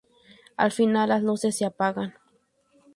Al final, las luces se apagan.